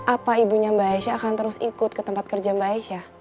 apa ibunya mbak aisyah akan terus ikut ke tempat kerja mbak aisyah